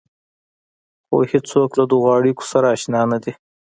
خو هېڅوک له دغو اړيکو سره اشنا نه دي.